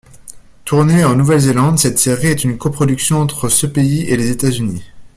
Tournée en Nouvelle-Zélande, cette série est une coproduction entre ce pays et les États-Unis.